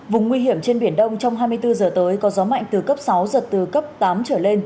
vùng nguy hiểm trên biển đông trong hai mươi bốn giờ tới có gió mạnh từ cấp sáu giật từ cấp tám trở lên